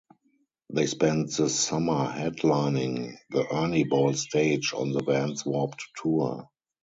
They spent the summer headlining the Ernie Ball stage on the Vans Warped Tour.